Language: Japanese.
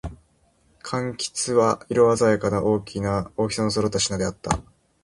蜜柑は、色のあざやかな、大きさの揃った品であった。